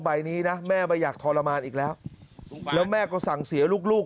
ใบนี้นะแม่ไม่อยากทรมานอีกแล้วแล้วแม่ก็สั่งเสียลูก